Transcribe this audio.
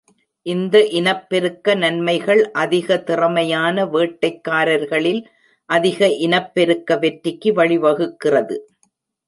இந்த இனப்பெருக்க நன்மைகள் அதிக திறமையான வேட்டைக்காரர்களில் அதிக இனப்பெருக்க வெற்றிக்கு வழிவகுக்கிறது.